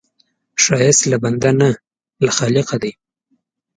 ښایست له بنده نه، له خالقه دی